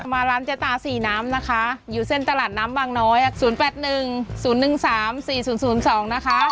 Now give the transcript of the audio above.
มาร้านเจ๊ตาสีน้ำนะคะอยู่เส้นตลาดน้ำบางน้อย๐๘๑๐๑๓๔๐๐๒นะคะ